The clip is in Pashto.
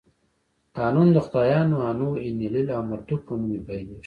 قانون د خدایانو آنو، اینلیل او مردوک په نوم پیلېږي.